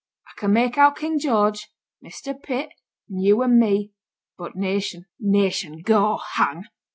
I can make out King George, and Measter Pitt, and yo' and me, but nation! nation, go hang!'